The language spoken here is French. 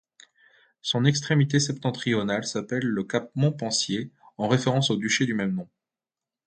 Son extrémité septentrionale s'appelle le cap Montpensier en référence au duché du même nom.